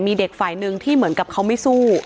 มีเด็กฝ่ายหนึ่งที่เหมือนกับเขาไม่สู้